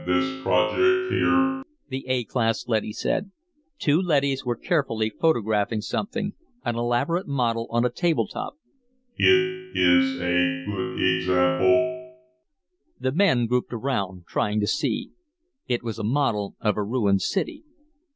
"Examine this project here," the A class leady said. Two leadys were carefully photographing something, an elaborate model on a table top. "It is a good example." The men grouped around, trying to see. It was a model of a ruined city.